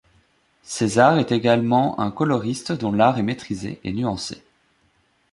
Cézard est également un coloriste dont l'art est maitrisé et nuancé.